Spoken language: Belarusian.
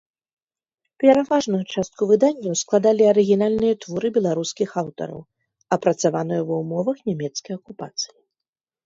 Пераважную частку выданняў складалі арыгінальныя творы беларускіх аўтараў, апрацаваныя ва ўмовах нямецкай акупацыі.